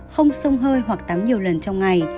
không sông hơi hoặc tắm nhiều lần trong ngày